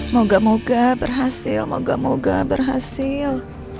moga moga berhasil moga moga berhasil